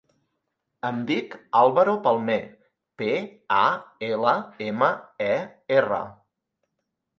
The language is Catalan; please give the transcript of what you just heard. Em dic Álvaro Palmer: pe, a, ela, ema, e, erra.